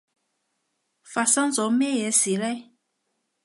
發生咗咩嘢事呢？